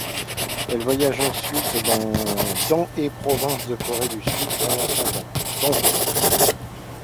Elle voyage ensuite dans et provinces de Corée du Sud pendant cent jours.